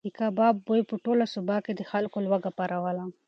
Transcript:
د کباب بوی په ټوله سوبه کې د خلکو لوږه پاروله.